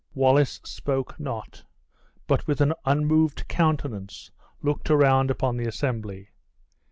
Wallace spoke not, but with an unmoved countenance looked around upon the assembly.